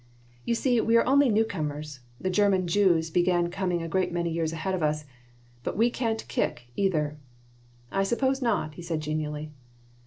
"You see, we are only new comers. The German Jews began coming a great many years ahead of us, but we can't kick, either." "I suppose not," he said, genially.